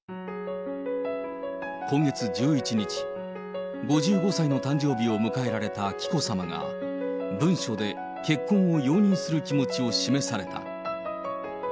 今月１１日、５５歳の誕生日を迎えられた紀子さまが、文書で結婚を容認する気持ちを示された。